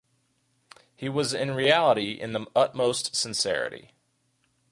He was in reality in the utmost sincerity.